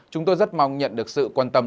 chúng tôi rất mong nhận được sự quan tâm